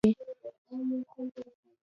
قطبي هیږه په یخ کې ژوند کوي